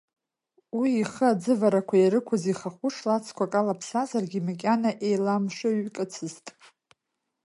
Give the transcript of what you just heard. Уи ихы аӡыварақәа ирықәыз ихахәы шлацқәак алаԥсазаргьы, макьана еиламшыҩкыцызт.